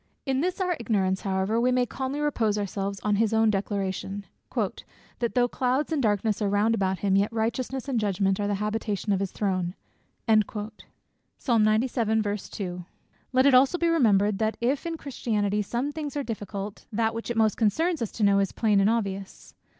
In this our ignorance however, we may calmly repose ourselves on his own declaration, "That though clouds and darkness are round about him, yet righteousness and judgment are the habitation of his throne." Let it also be remembered, that if in Christianity some things are difficult, that which it most concerns us to know, is plain and obvious.